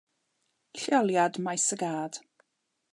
Lleoliad maes y gad.